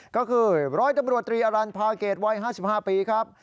ก็คือร้อยตำรวจตรีอรันพาเกตวัย๕๕ปีครับ